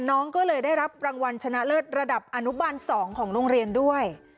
น้องก็เลยได้รับรางวัลชนะเลิศระดับอนุบาล๒ของโรงเรียนด้วย